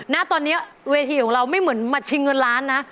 ณตอนนี้เวทีของเราไม่เหมือนมาชิงเงินล้านนะ